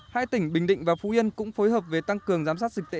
hai tỉnh bình định và phú yên cũng phối hợp với tăng cường giám sát dịch tễ